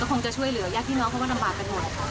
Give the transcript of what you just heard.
แต่ก็คงจะช่วยเหลือย่างพี่น้องที่เขาว่านำบับกันหมด